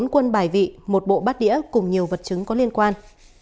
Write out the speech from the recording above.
bốn quân bài vị một bộ bát đĩa cùng nhiều vật chứng có liên quan